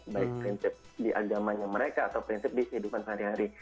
baik prinsip di agamanya mereka atau prinsip di kehidupan sehari hari